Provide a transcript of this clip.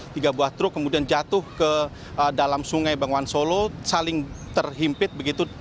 tiga buah truk kemudian jatuh ke dalam sungai banguwan solo saling terhimpit begitu